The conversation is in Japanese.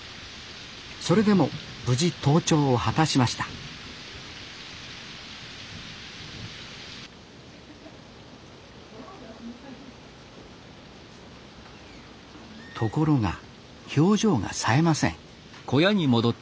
それでも無事登頂を果たしましたところが表情がさえません